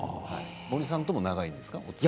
森さんとも長いんですか？